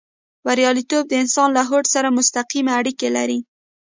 برياليتوب د انسان له هوډ سره مستقيمې اړيکې لري.